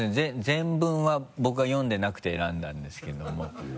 全文は僕は読んでなくて選んだんですけども。